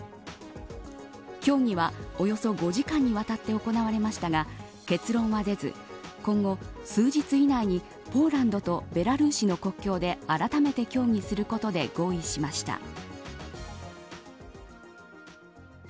協議は、およそ５時間にわたって行われましたが、結論は出ず今後、数日以内にポーランドとベラルーシの国境であらためて協議することで合意しました。